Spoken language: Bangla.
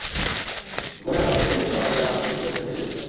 কোন এমন অসৎ পুলিশ নয় যারা আমাকে বিপদের মুখে ঠেলে দিতে চায়।